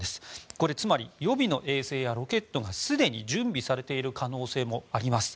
これはつまり予備の衛星やロケットがすでに準備されている可能性もあります。